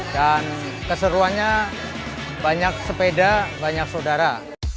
dan keseruannya banyak sepeda banyak saudara